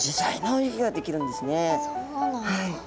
そうなんだ。